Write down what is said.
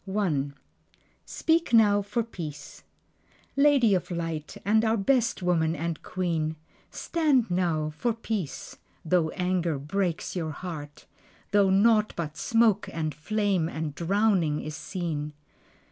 Speak Now for Peace Lady of Light, and our best woman, and queen, Stand now for peace, (though anger breaks your heart), Though naught but smoke and flame and drowning is seen.